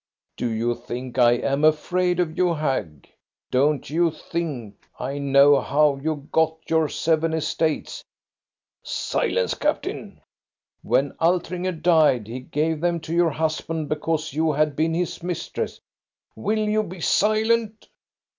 " "Do you think I am afraid of you, hag.^ Don't you think I know how you got your seven estates ?" "Silence, captain!" " When Altringer died he gave them to your hus band because you had been his mistress. " CHRISTMAS DAY SI "Will you be silent?"